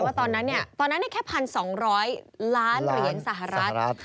ว่าตอนนั้นนี่แค่๑๒๐๐ล้านเหรียญสหรัฐ